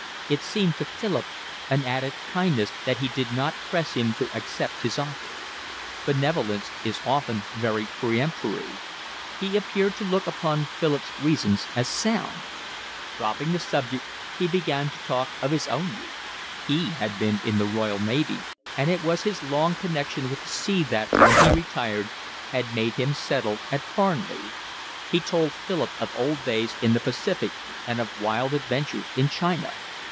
It seemed to Philip an added kindness that he did not press him to accept his offer. Benevolence is often very peremptory. He appeared to look upon Philip's reasons as sound. Dropping the subject, he began to talk of his own youth; he had been in the Royal Navy, and it was his long connection with the sea that, when he retired, had made him settle at Farnley. He told Philip of old days in the Pacific and of wild adventures in China.